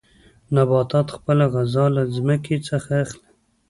نباتات خپله غذا له ځمکې څخه اخلي.